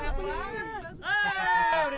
iya seru banget